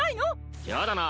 やだなぁ